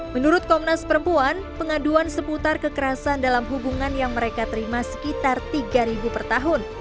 menurut komnas perempuan pengaduan seputar kekerasan dalam hubungan yang mereka terima sekitar tiga per tahun